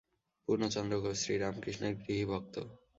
পূর্ণচন্দ্র ঘোষ শ্রীরামকৃষ্ণের গৃহী ভক্ত।